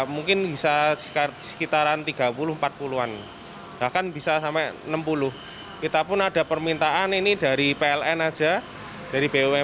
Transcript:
mungkin bisa sekitaran tiga puluh empat puluh an bahkan bisa sampai enam puluh kita pun ada permintaan ini dari pln aja dari bumn